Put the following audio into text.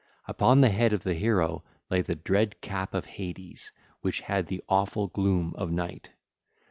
Upon the head of the hero lay the dread cap 1804 of Hades which had the awful gloom of night.